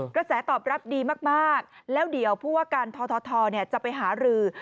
กระแสตอบรับดีมากแล้วเดี๋ยวผู้ว่าการททจะไปหารือ